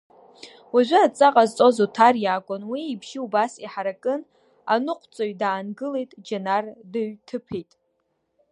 Уажәы адҵа ҟазҵоз Оҭар иакәын, уи ибжьы убас иҳаракын, аныҟәцаҩ даангылеит, Џьанар дыҩҭыԥеит.